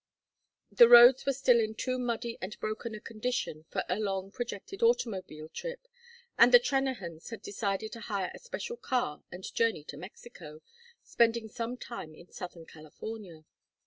The roads were still in too muddy and broken a condition for the long projected automobile trip, and the Trennahans had decided to hire a special car and journey to Mexico, spending some time in Southern California.